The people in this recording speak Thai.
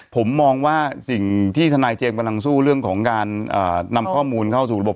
ผมมองว่าสิ่งที่ทนายเจมส์กำลังสู้เรื่องของการนำข้อมูลเข้าสู่ระบบ